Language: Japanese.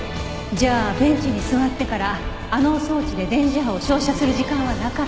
じゃあベンチに座ってからあの装置で電磁波を照射する時間はなかった。